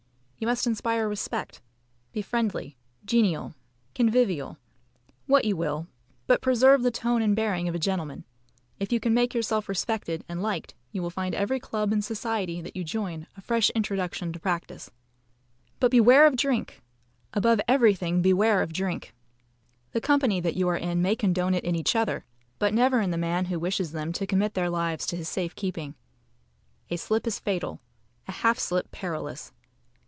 You must inspire respect. Be friendly, genial, convivial what you will but preserve the tone and bearing of a gentleman. If you can make yourself respected and liked you will find every club and society that you join a fresh introduction to practice. But beware of drink! Above everything, beware of drink! The company that you are in may condone it in each other, but never in the man who wishes them to commit their lives to his safe keeping. A slip is fatal a half slip perilous.